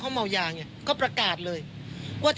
เขาประสาท